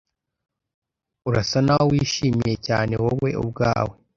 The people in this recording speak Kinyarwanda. Urasa naho wishimiye cyane wowe ubwawe.